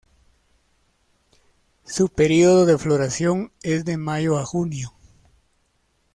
Su periodo de floración es de mayo a junio.